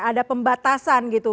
ada pembatasan gitu